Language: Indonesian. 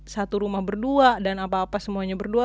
satu rumah berdua dan apa apa semuanya berdua